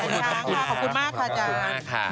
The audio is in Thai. ขอบคุณค่ะขอบคุณมากค่ะอาจารย์